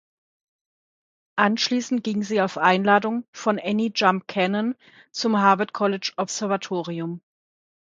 Anschließend ging sie auf Einladung von Annie Jump Cannon zum Harvard-College-Observatorium.